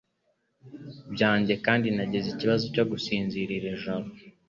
byanjye kandi nagize ikibazo cyo gusinzira nijoro